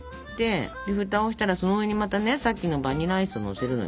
で蓋をしたらその上にまたねさっきのバニラアイスをのせるのよ。